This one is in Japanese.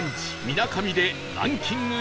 みなかみでランキング